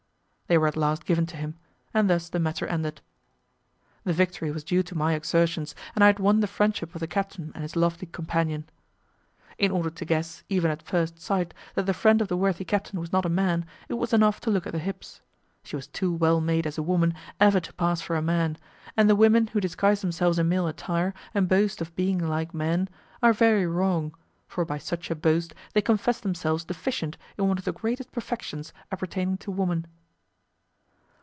They were at last given to him, and thus the matter ended. The victory was due to my exertions, and I had won the friendship of the captain and his lovely companion. In order to guess, even at first sight, that the friend of the worthy captain was not a man, it was enough to look at the hips. She was too well made as a woman ever to pass for a man, and the women who disguise themselves in male attire, and boast of being like men, are very wrong, for by such a boast they confess themselves deficient in one of the greatest perfections appertaining to woman.